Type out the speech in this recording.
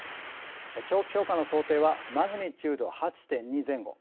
長期評価の想定はマグニチュード８．２前後。